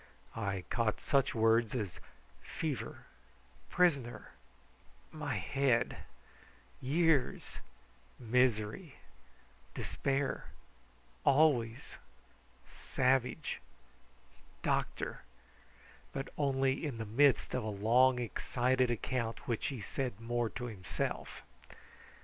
I caught such words as "fever prisoner my head years misery despair always savage doctor" but only in the midst of a long excited account which he said more to himself.